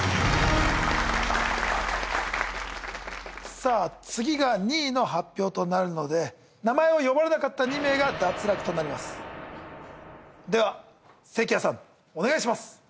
さぁ次が２位の発表となるので名前を呼ばれなかった２名が脱落となりますでは関谷さんお願いします